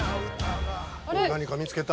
◆何か見つけた？